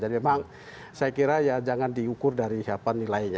jadi memang saya kira jangan diukur dari nilainya